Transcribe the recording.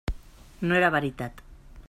No era veritat.